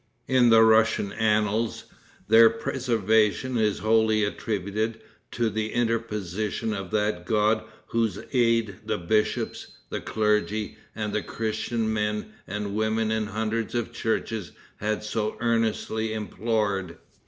In the Russian annals, their preservation is wholly attributed to the interposition of that God whose aid the bishops, the clergy and Christian men and women in hundreds of churches had so earnestly implored.